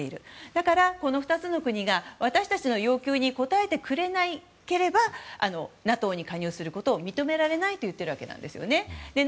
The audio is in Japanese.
だから、この２つの国が私たちの要求に答えてくれなければＮＡＴＯに加入することを認められないと言っているわけなんですよね。